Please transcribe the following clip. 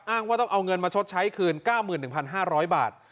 ว่าต้องเอาเงินมาชดใช้คืน๙๑๕๐๐บาท